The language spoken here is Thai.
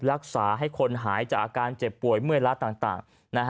รักษาให้คนหายจากอาการเจ็บป่วยเมื่อยละต่าง